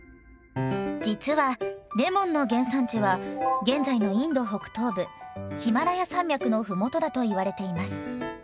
実はレモンの原産地は現在のインド北東部ヒマラヤ山脈のふもとだと言われています。